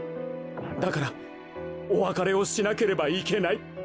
だからおわかれをしなければいけない。